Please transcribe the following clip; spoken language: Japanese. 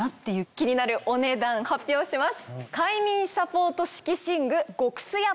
気になるお値段発表します。